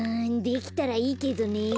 できたらいいけどね。